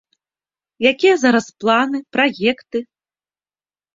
Якія зараз планы, праекты?